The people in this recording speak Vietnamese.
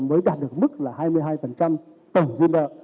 mới đạt được mức là hai mươi hai tổng duyên đợi